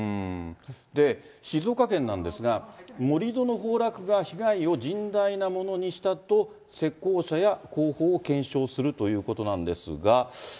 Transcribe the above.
静岡県なんですが、盛り土の崩落が被害を甚大なものにしたと施工者や工法を検証するということなんですが。